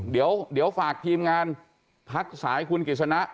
เดี๋ยวฝากทีมงานพักสายคุณกิจสนะ